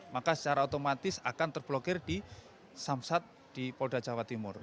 maka secara otomatis akan terblokir di samsat di polda jawa timur